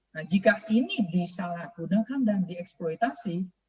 nah jika ini disalahgunakan dan dieksploitasi